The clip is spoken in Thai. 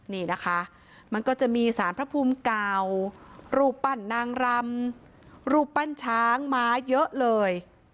นี่นะคะมันก็จะมีสารพระภูมิเก่ารูปปั้นนางรำรูปปั้นช้างม้าเยอะเลย